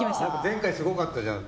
前回すごかったじゃん。